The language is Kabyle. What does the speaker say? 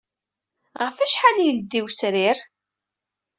Ɣef wacḥal ay ileddey wesrir?